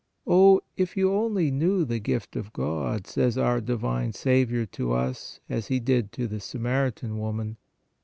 " Oh, if you only knew the gift of God," says our divine Saviour to us as He did to the Samaritan woman.